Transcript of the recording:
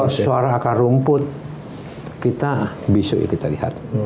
kalau suara akar rumput kita besok kita lihat